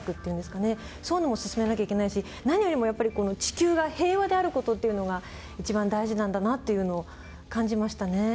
そういうのも進めなきゃいけないし何よりもやっぱりこの地球が平和である事っていうのが一番大事なんだなっていうのを感じましたね。